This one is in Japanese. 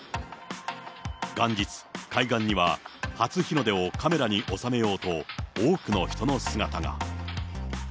元日、海岸には初日の出をカメラに収めようと、多くの人の姿が。